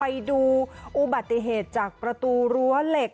ไปดูอุบัติเหตุจากประตูรั้วเหล็ก